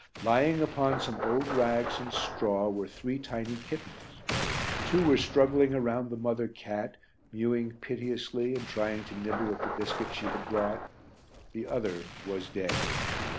Lying upon some old rags and straw were three tiny kittens. Two were struggling around the mother cat, mewing piteously and trying to nibble at the biscuit she had brought. The other was dead.